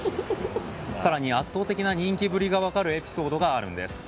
更に圧倒的な人気ぶりが分かるエピソードがあるんです。